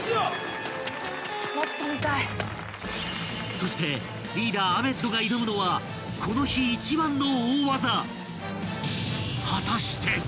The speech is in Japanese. ［そしてリーダーアメッドが挑むのはこの日一番の］